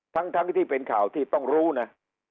ทั้งที่เป็นข่าวที่ต้องรู้นะ